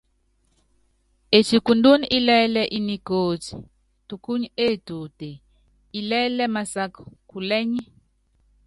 Etikundun ilɛ́lɛ́ i nikóti, tukuny etuute, ilɛ́lɛ́ i másak kúlɛ́ny.